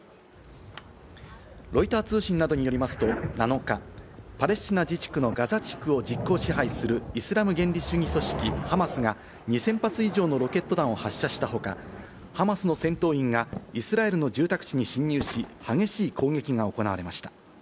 ロイター通信などによりますと７日、パレスチナ自治区のガザ地区を実効支配するイスラム原理主義組織ハマスが、２０００発以上のロケット弾を発射した他、ハマスの戦闘員がイスラエルの住宅地に侵入し、激しい攻撃が行われました。